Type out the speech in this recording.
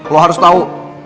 lo harus tahu